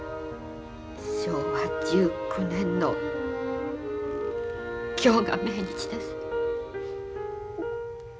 昭和１９年の今日が命日です。